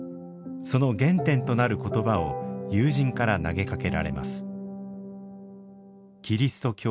その原点となる言葉を友人から投げかけられます。